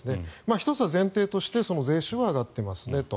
１つは前提として税収が上がっていますねと。